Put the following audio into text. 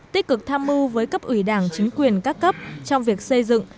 tích cực tham mưu với cấp ủy đảng chính quyền các cấp trong việc xây dựng